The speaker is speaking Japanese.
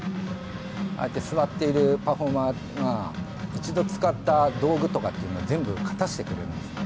ああやって座っているパフォーマーが一度使った道具とかっていうのを全部片してくれるんですね。